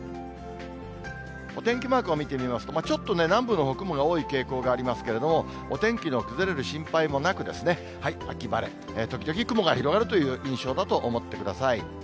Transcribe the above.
お天気マークを見てみますと、ちょっとね、南部のほう、雲が多い傾向がありますけれども、天気の崩れる心配もなく、秋晴れ、時々雲が広がるという印象だと思ってください。